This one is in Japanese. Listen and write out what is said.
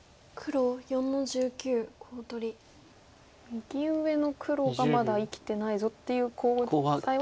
右上の黒がまだ生きてないぞっていうコウ材は。